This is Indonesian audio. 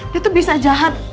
dia tuh bisa jahat